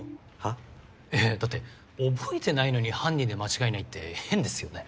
いやいやだって覚えてないのに犯人で間違いないって変ですよね。